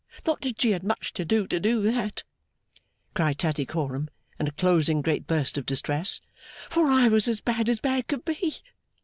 Not that she had much to do, to do that,' cried Tattycoram, in a closing great burst of distress, 'for I was as bad as bad could be.